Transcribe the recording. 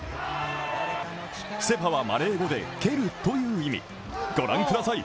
セパはマレー語で蹴るという意味ご覧ください